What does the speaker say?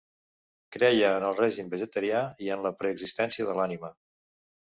Creia en el règim vegetarià i en la preexistència de l'ànima.